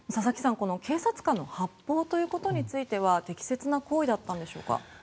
この警察官の発砲については適切な行為だったんでしょうか。